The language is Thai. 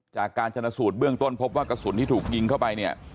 จากการชนสูตรเบื้องต้นพบว่ากระสุนที่ถูกยิงเข้าไปเนี่ย